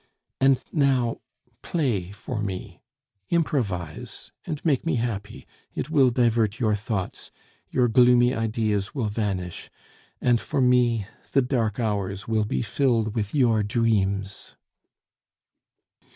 And now play for me; improvise and make me happy. It will divert your thoughts; your gloomy ideas will vanish, and for me the dark hours will be filled with your dreams...."